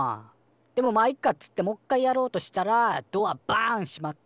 でもまいっかっつってもっかいやろうとしたらドアバン閉まって。